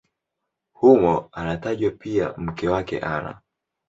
Humo anatajwa pia mke wake Ana.